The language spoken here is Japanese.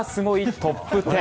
トップ１０。